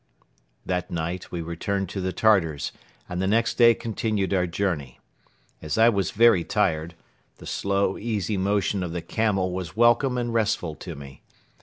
That night we returned to the Tartars and the next day continued our journey. As I was very tired, the slow, easy motion of the camel was welcome and restful to me.